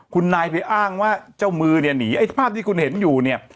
คุณนายไปอ้างว่าเจ้ามือเนี่ยหนีไอ้ภาพที่คุณเห็นอยู่เนี่ย